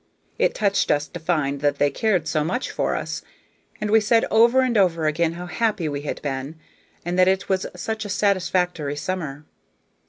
It touched us to find that they cared so much for us, and we said over and over again how happy we had been, and that it was such a satisfactory summer.